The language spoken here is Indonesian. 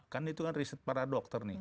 kan itu kan riset para dokter nih